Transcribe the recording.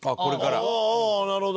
ああなるほど。